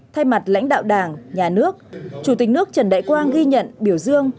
thay mặt lãnh đạo đảng nhà nước chủ tịch nước trần đại quang ghi nhận biểu dương